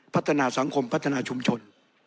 พัฒนาสังคมพัฒนาชุมชน